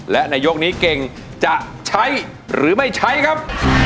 และในยกนี้เก่งจะใช้หรือไม่ใช้ครับ